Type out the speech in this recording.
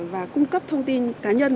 và cung cấp thông tin cá nhân